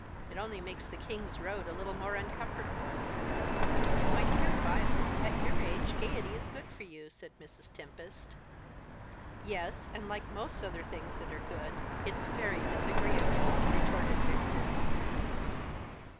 It only makes the King's Road a little more uncomfortable." "My dear Violet, at your age gaiety is good for you," said Mrs. Tempest. "Yes, and, like most other things that are good, it's very disagreeable," retorted Vixen.